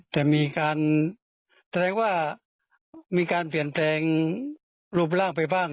แต่มีการแสดงว่ามีการเปลี่ยนแปลงรูปร่างไปบ้าง